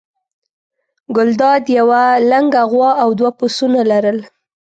ګلداد یوه لنګه غوا او دوه پسونه لرل.